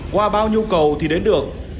qua bao nhiêu cầu thì đến được